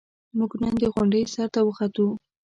موږ نن د غونډۍ سر ته وخوتو.